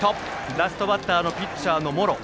ラストバッターのピッチャーの茂呂。